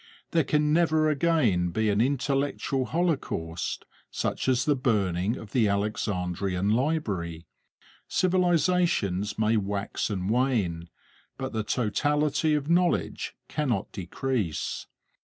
There can never again be an intellectual holocaust, such as the burning of the Alexandrian library. Civilizations may wax and wane, but the totality of knowledge cannot decrease.